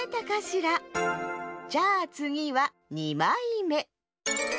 じゃあつぎは２まいめ。